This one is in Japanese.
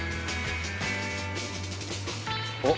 おっ。